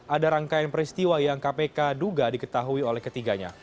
ada rangkaian peristiwa yang kpk duga diketahui oleh ketiganya